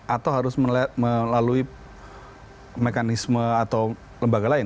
atau harus melalui mekanisme atau lembaga lain